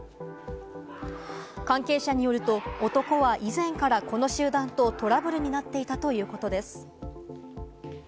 関係者によると、男は以前からこの集団とトラブルになっていたということです。